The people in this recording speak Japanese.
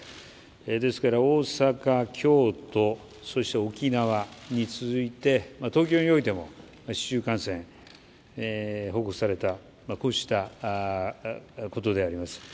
ですから大阪、京都、そして沖縄に続いて東京においても市中感染、報告された、こうしたことであります。